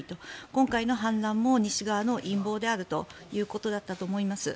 今回の反乱も西側の陰謀であるということだったと思います。